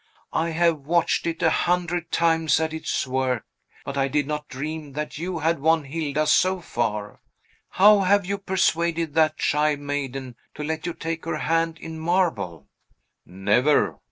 I have watched it a hundred times at its work; but I did not dream that you had won Hilda so far! How have you persuaded that shy maiden to let you take her hand in marble?" "Never!